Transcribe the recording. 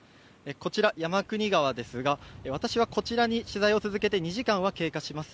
こちら、山国川ですが私は、こちらに取材を続けて２時間が経過します。